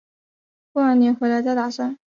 过完年回来再打算